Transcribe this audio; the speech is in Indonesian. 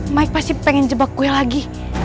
mike pasti pengen jebak kue lagi